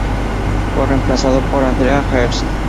Fue reemplazado por Andreas Herz.